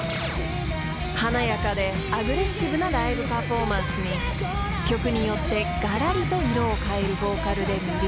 ［華やかでアグレッシブなライブパフォーマンスに曲によってがらりと色を変えるボーカルで魅了］